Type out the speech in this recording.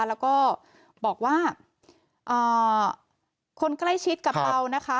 แล้วก็บอกว่าคนใกล้ชิดกับเรานะคะ